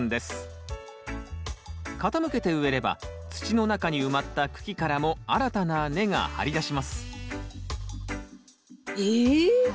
傾けて植えれば土の中に埋まった茎からも新たな根が張り出しますえっ！